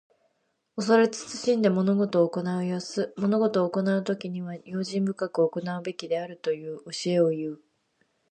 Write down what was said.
恐れ慎んで物事を行う様子。物事を行うときには、用心深く行うべきであるという教えをいう。